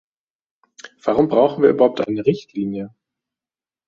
Warum brauchen wir überhaupt eine Richtlinie?